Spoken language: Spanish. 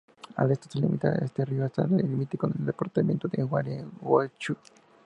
Al este limita con ese río hasta el límite con el departamento Gualeguaychú.